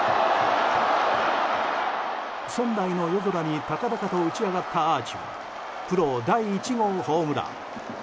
仙台の夜空に高々と打ち上がったアーチはプロ第１号ホームラン。